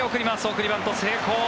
送りバント成功。